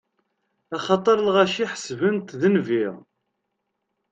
Axaṭer lɣaci ḥesben-t d nnbi.